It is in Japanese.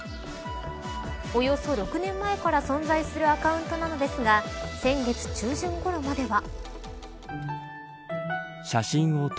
およそ６年前から存在するアカウントなのですが先月中旬ごろまでは。